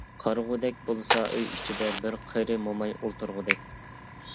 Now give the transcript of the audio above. قارىغۇدەك بولسا، ئۆي ئىچىدە بىر قېرى موماي ئولتۇرغۇدەك.